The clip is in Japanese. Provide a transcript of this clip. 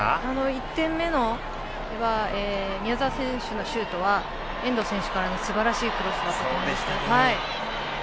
１点目の宮澤選手のシュートは、遠藤選手からのすばらしいクロスでした。